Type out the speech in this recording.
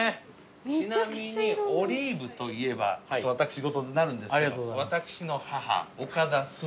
ちなみにオリーブといえばちょっと私事になるんですけど私の母岡田スズコ。